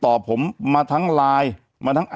แต่หนูจะเอากับน้องเขามาแต่ว่า